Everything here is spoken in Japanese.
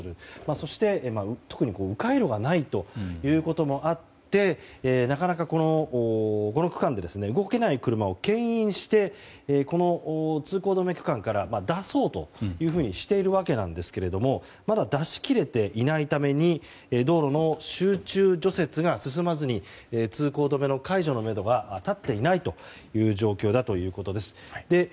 そして、特にう回路がないということもあってなかなか、この区間で動けない車をけん引してこの通行止め区間から出そうとしているわけですがまだ出し切れていないために道路の集中除雪が進まずに通行止めの解除のめどが立っていないという状況だということです。